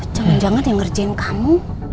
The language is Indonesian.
jangan jangan yang ngerjain kamu